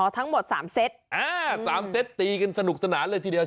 อ๋อทั้งหมด๓เซตอ้าวสนุกสนานเลยทีเดียว